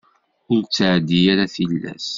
Ur ttεeddi ara tilas.